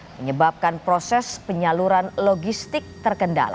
menyebabkan proses penyaluran logistik terkendala